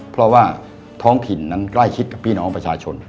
เพราะว่าท้องถิ่นนั้นใกล้ชิดกับพี่น้องประชาชน